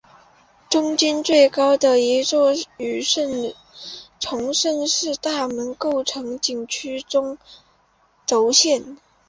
中间最高的一座与崇圣寺大门构成景区中轴线。